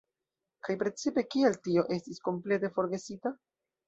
Kaj precipe, kial tio estis komplete forgesita?